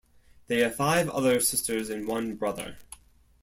They have five other sisters and one brother.